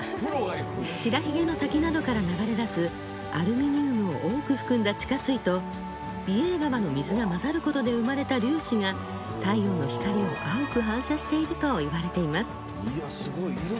白ひげの滝などから流れ出すアルミニウムを多く含んだ地下水と美瑛川の水が混ざることで生まれた粒子が太陽の光を青く反射していると言われています。